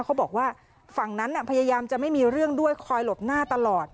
เขาบอกว่าฝั่งนั้นพยายามจะไม่มีเรื่องด้วยคอยหลบหน้าตลอด